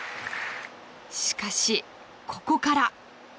しかし、ここから。